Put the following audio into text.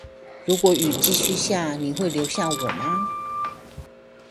如果雨繼續下，你會留下我嗎